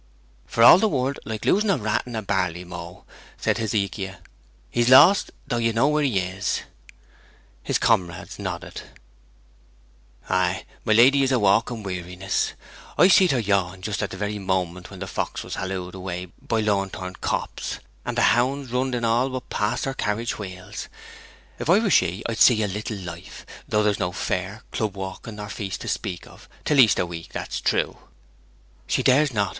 'For all the world like losing a rat in a barley mow,' said Hezekiah. 'He's lost, though you know where he is.' His comrades nodded. 'Ay, my lady is a walking weariness. I seed her yawn just at the very moment when the fox was halloaed away by Lornton Copse, and the hounds runned en all but past her carriage wheels. If I were she I'd see a little life; though there's no fair, club walking, nor feast to speak of, till Easter week, that's true.' 'She dares not.